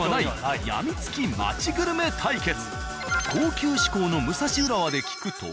高級志向の武蔵浦和で聞くと。